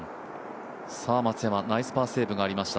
松山ナイスパーセーブがありました。